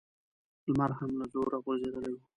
لمر هم له زوره غورځېدلی و.